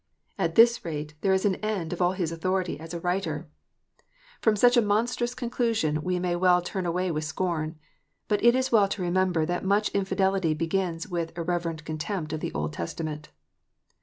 At this rate there is an end of all his authority as a APOSTOLIC FEARS. 391 writer ! From such a monstrous conclusion we may well tuin away with scorn. But it is well to remember that much infidelity begins with irreverent contempt of the Old Testa ment.